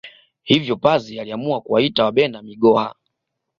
Hivyo pazi aliamua kuwaita Wabena Migoha